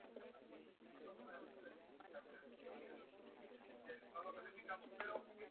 Muy joven se trasladó a Roma, donde se formó como pintor.